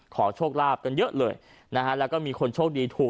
ขอโชคลาภกันเยอะเลยนะฮะแล้วก็มีคนโชคดีถูก